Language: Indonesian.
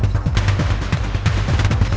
kalian di sana